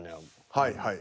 はいはい。